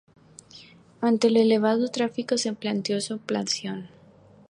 Ante el elevado tráfico, se planteó su ampliación.